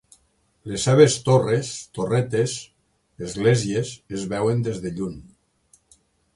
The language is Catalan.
Les seves torres, torretes, esglésies es veuen des de lluny.